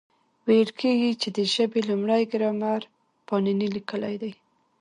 ویل کېږي، چي د ژبي لومړی ګرامر پانني لیکلی دئ.